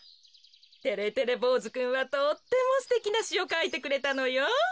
てれてれぼうずくんはとってもすてきなしをかいてくれたのよ。